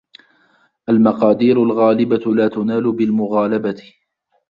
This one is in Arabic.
الْمَقَادِيرُ الْغَالِبَةُ لَا تُنَالُ بِالْمُغَالَبَةِ